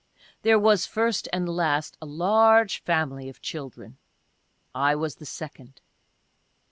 There was, first and last, a large family of children ; (I was the second.)